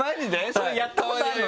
それやったことあるの？